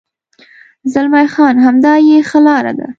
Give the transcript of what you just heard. زلمی خان: همدا یې ښه لار ده.